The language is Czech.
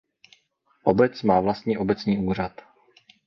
Obec má vlastní obecní úřad.